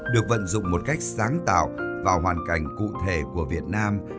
được vận dụng một cách sáng tạo vào hoàn cảnh cụ thể của việt nam